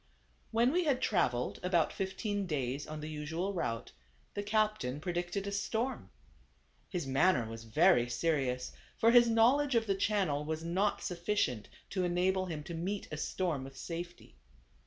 When we had traveled about fifteen days on the usual route, the captain predicted a storm. His manner was very serious ; for his knowledge of the channel was not sufficient to enable him to meet a storm with safety.